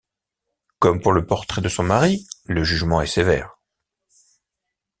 Comme pour le portrait de son mari, le jugement est sévère.